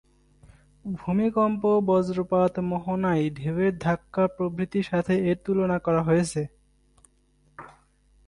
ভূমিকম্প, বজ্রপাত, মোহনায় ঢেউয়ের ধাক্কা প্রভৃতির সাথে এর তুলনা করা হয়েছে।